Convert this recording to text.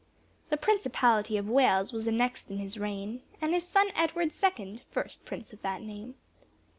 The Principality of Wales was annexed in his reign, And his son Edward second, first Prince of that name.